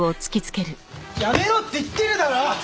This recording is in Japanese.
やめろって言ってるだろ！